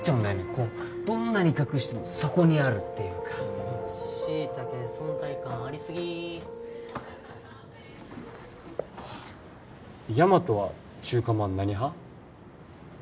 こうどんなに隠してもそこにあるっていうかしいたけ存在感ありすぎヤマトは中華まん何派？